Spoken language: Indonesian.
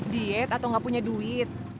diet atau nggak punya duit